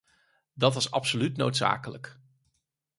Dat was absoluut noodzakelijk.